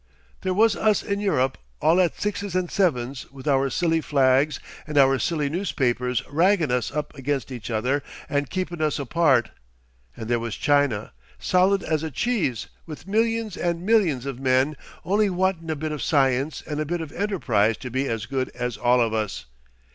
There was us in Europe all at sixes and sevens with our silly flags and our silly newspapers raggin' us up against each other and keepin' us apart, and there was China, solid as a cheese, with millions and millions of men only wantin' a bit of science and a bit of enterprise to be as good as all of us.